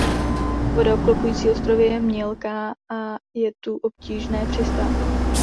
Voda obklopující ostrovy je mělká a je tu obtížné přistát.